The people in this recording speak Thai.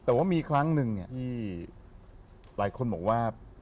แต่ว่ามีครั้งหนึ่งที่หลายคนบอกว่า